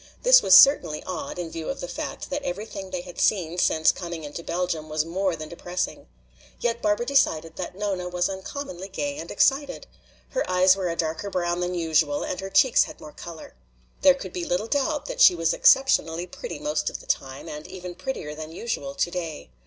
This was certainly odd in view of the fact that everything they had seen since coming into Belgium was more than depressing. Yet Barbara decided that Nona was uncommonly gay and excited. Her eyes were a darker brown than usual and her cheeks had more color. There could be little doubt that she was exceptionally pretty most of the time and even prettier than usual today.